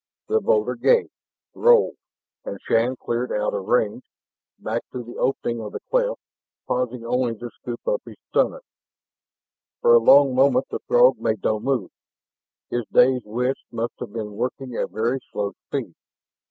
The boulder gave, rolled, and Shann cleared out of range, back to the opening of the cleft, pausing only to scoop up his stunner. For a long moment the Throg made no move; his dazed wits must have been working at very slow speed.